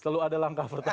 selalu ada langkah pertama